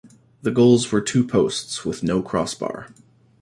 The goals were two posts, with no crossbar.